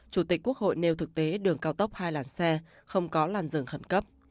chủ tịch quốc hội nêu thực tế đường cao tốc hai làn xe không có làn rừng khẩn cấp